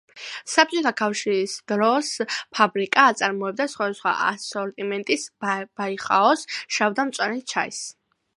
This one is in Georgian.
საბჭოთა კავშირის დროს ფაბრიკა აწარმოებდა სხვადასხვა ასორტიმენტის ბაიხაოს შავ და მწვანე ჩაის.